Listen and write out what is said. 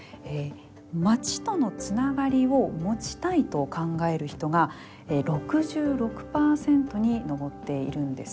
町とのつながりを持ちたいと考える人が６６％に上っているんです。